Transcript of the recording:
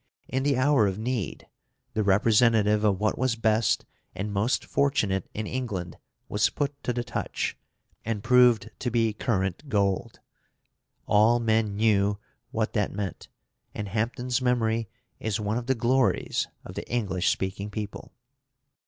In the hour of need, the representative of what was best and most fortunate in England was put to the touch, and proved to be current gold. All men knew what that meant, and Hampden's memory is one of the glories of the English speaking people.